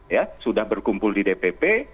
ya sudah berkumpul di dpp